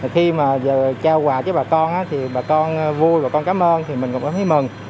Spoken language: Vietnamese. khi mà trao quà cho bà con thì bà con vui bà con cảm ơn thì mình cũng cảm thấy mừng